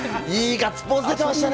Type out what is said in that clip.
ガッツポーズ出てましたね。